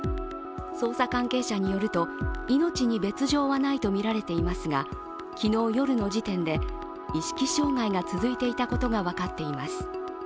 捜査関係者によると、命に別状はないとみられていますが、昨日夜の時点で意識障害が続いていたことが分かっています。